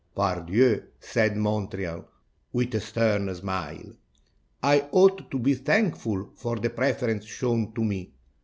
"Par Dieu!" said Montreal, with a stern smile, "I ought to be thankful for the preference shown to me.